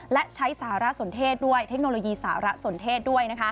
และใช้สารสนเทศด้วยเทคโนโลยีสารสนเทศด้วย